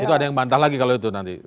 itu ada yang bantah lagi kalau itu nanti